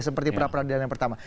seperti pra pra dia yang pertama